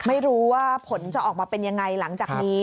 ไม่รู้ว่าผลจะออกมาเป็นยังไงหลังจากนี้